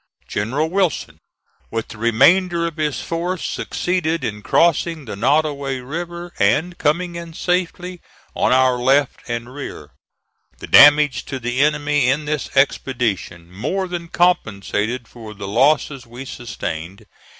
General Wilson, with the remainder of his force, succeeded in crossing the Nottoway River and coming in safely on our left and rear. The damage to the enemy in this expedition more than compensated for the losses we sustained.